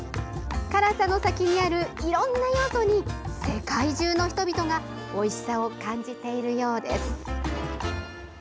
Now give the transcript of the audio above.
辛さの先にあるいろんな要素に世界中の人々がおいしさを感じているようです。